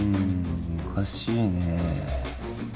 おかしいねえ